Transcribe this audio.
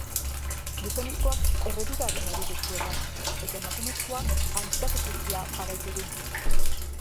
Gizonezkoak erredura arinak ditu eskuetan, eta emakumezkoak antsietate-krisia pairatu du.